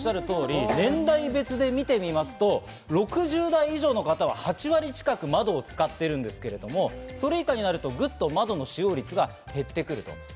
年代別で見てみますと、６０代以上の方は８割近く窓を使ってるんですけども、それ以下になると、ぐっと窓の使用率が減ってくる。